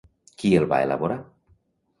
Qui el va elaborar?